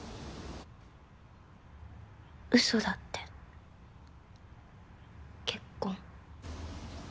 うそだって結婚。